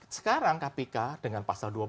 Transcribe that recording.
sekarang kpk dengan pasal dua puluh